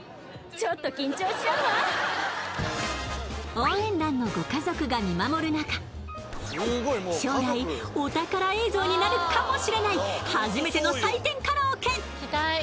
応援団のご家族が見守る中、将来、お宝映像になるかもしれない初めての採点カラオケ。